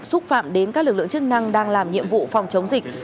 xúc phạm đến các lực lượng chức năng đang làm nhiệm vụ phòng chống dịch